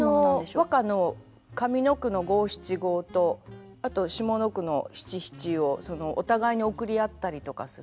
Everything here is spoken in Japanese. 和歌の上の句の五七五とあと下の句の七七をお互いに送りあったりとかする。